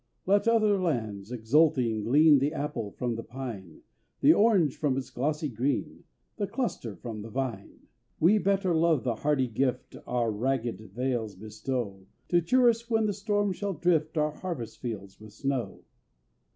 Let other lands, exulting, glean The apple from the pine, The orange from its glossy green, The cluster from the vine; We better love the hardy gift Our ragged vales bestow, To cheer us when the storm shall drift Our harvest fields with snow.